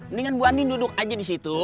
mendingan bu andien duduk aja disitu